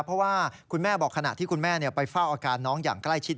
เพราะว่าคุณแม่บอกขณะที่คุณแม่ไปเฝ้าอาการน้องอย่างใกล้ชิด